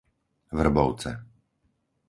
Vrbovce